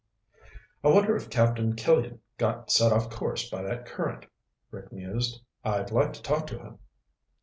"I wonder if Captain Killian got set off course by that current," Rick mused. "I'd like to talk to him."